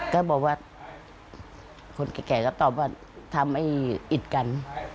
ก็บอกว่าคนแก่ก็ตอบว่าทำให้อิดกัน